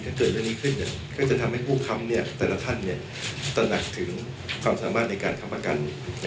เกิดเรื่องนี้ขึ้นก็จะทำให้ผู้ค้ำแต่ละท่านตระหนักถึงความสามารถในการค้ำประกัน